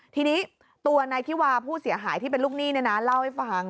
ทีนี้ตัวนายธิวาผู้เสียหายที่เป็นลูกหนี้เล่าให้ฟัง